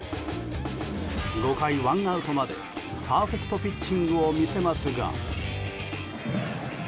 ５回ワンアウトまでパーフェクトピッチングを見せますが。